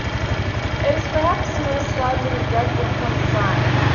It is perhaps the most widely read book on design.